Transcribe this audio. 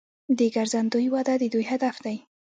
د ګرځندوی وده د دوی هدف دی.